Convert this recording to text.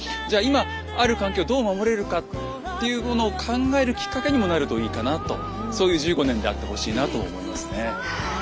じゃあ今ある環境をどう守れるかっていうものを考えるきっかけにもなるといいかなとそういう１５年であってほしいなと思いますね。